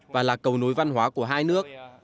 và là cầu nối văn hóa của hai nước